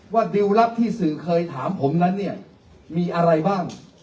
ติวลลับที่สื่อเคยถามผมนั้นเนี่ยมีอะไรบ้าง